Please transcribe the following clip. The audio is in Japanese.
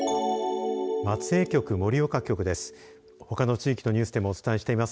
松江局、盛岡局です。